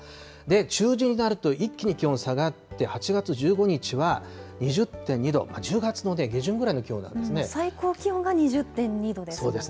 中旬になると一気に気温下がって、８月１５日は２０．２度、１０月最高気温が２０．２度ですよ